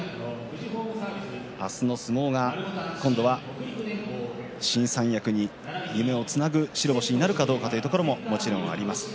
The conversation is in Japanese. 明日の相撲が、今度は新三役に夢をつなぐ白星になるかというところももちろんあります。